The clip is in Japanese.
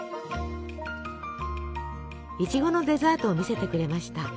いちごのデザートを見せてくれました。